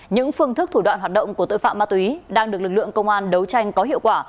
những phương thức thủ đoạn hoạt động của tội phạm ma túy đang được lực lượng công an đấu tranh có hiệu quả